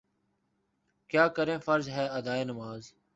کیا کریں فرض ہے ادائے نماز